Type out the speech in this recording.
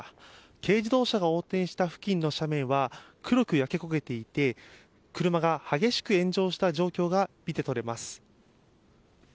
軽自動車が横転した付近の斜面は黒く焼け焦げていて車が激しく炎上した状況が見て取れます。